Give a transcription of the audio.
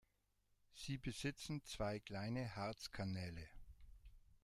Sie besitzen zwei kleine Harzkanäle.